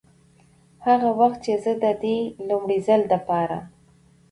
هغه وخت چې زه دې د لومړي ځل دپاره